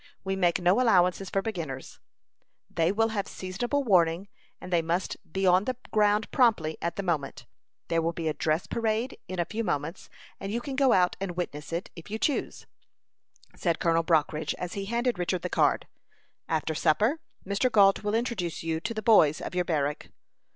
We make no allowances for beginners; they will have seasonable warning, and they must be on the ground promptly at the moment. There will be a dress parade in a few moments, and you can go out and witness it, if you choose," said Colonel Brockridge, as he handed Richard the card. "After supper, Mr. Gault will introduce you to the boys of your barrack."